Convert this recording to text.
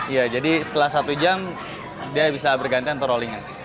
iya jadi setelah satu jam dia bisa bergantian atau rollingnya